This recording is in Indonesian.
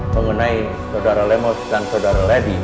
mengenai saudara lemos dan saudara lady